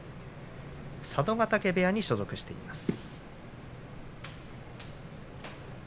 佐渡ヶ嶽部屋に所属しています。